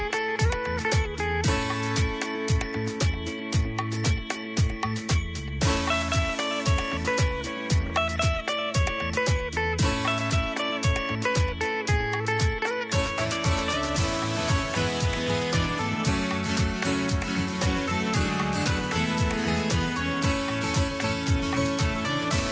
สวัสดีครับ